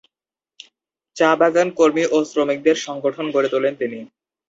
চা বাগান কর্মী ও শ্রমিকদের সংগঠন গড়ে তোলেন তিনি।